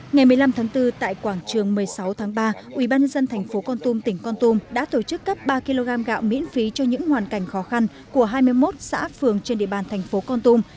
ngày một mươi năm tháng bốn tại quảng trường một mươi sáu tháng ba ubnd tp con tum tỉnh con tum đã tổ chức cấp ba kg gạo miễn phí cho những hoàn cảnh khó khăn của hai mươi một xã phường trên địa bàn thành phố con tum